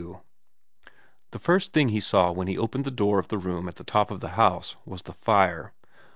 xxn THE first thing he saw when he opened the door of the room at the top of the house was the fire.